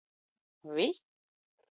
Vi?